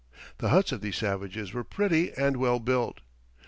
The huts of these savages were pretty and well built.